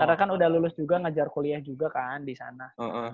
karena kan udah lulus juga ngejar kuliah juga kan di sana